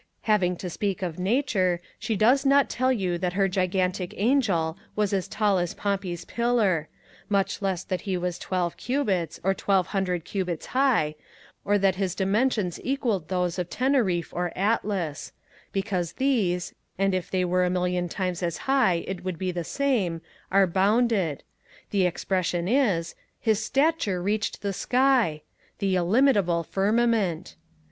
Having to speak of stature, she does not tell you that her gigantic Angel was as tall as Pompey's Pillar; much less that he was twelve cubits, or twelve hundred cubits high; or that his dimensions equalled those of Teneriffe or Atlas; because these, and if they were a million times as high it would be the same, are bounded: The expression is, 'His stature reached the sky!' the illimitable firmament!